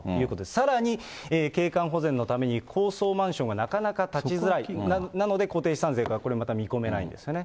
さらに景観保全のために高層マンションはなかなか建ちづらい、なので固定資産税がこれまた見込めないんですよね。